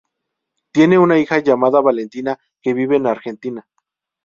Tiene una hija llamada Valentina, que vive en Argentina.